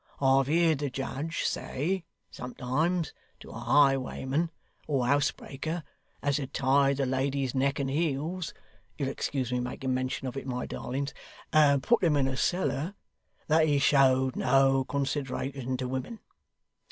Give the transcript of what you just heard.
I've heerd the judge say, sometimes, to a highwayman or housebreaker as had tied the ladies neck and heels you'll excuse me making mention of it, my darlings and put 'em in a cellar, that he showed no consideration to women.